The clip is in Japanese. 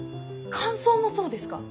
乾燥もそうですか？